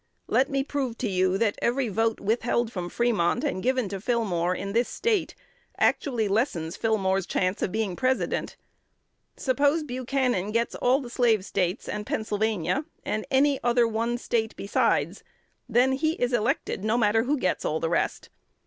Let me prove to you that every vote withheld from Fremont and given to Fillmore in this State actually lessens Fillmore's chance of being President. Suppose Buchanan gets all the Slave States and Pennsylvania, and any other one State besides; then he is elected, no matter who gets all the rest.